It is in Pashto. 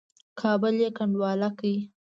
کابل یې کنډواله کړ.